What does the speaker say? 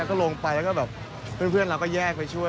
แล้วก็ลงไปแล้วก็แบบเพื่อนเราก็แยกไปช่วย